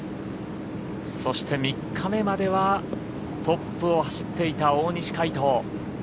そして３日目まではトップを走っていた大西魁斗。